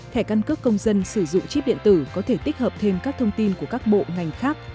thẻ căn cước công dân sử dụng chip điện tử có thể tích hợp thêm các thông tin của các bộ ngành khác